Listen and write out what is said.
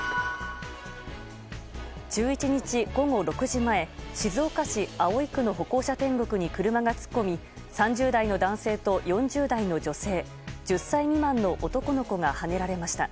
１１日午後６時前静岡市葵区の歩行者天国に車が突っ込み３０代の男性と４０代の女性１０歳未満の男の子がはねられました。